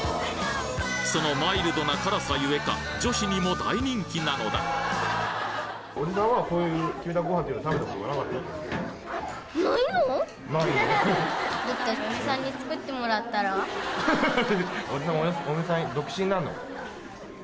そのマイルドな辛さゆえか女子にも大人気なのだハハハハ！